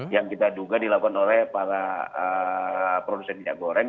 yang kita duga dilakukan oleh para produsen minyak goreng